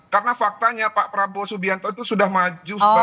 karena faktanya pak prabowo subianto itu sudah maju sebagai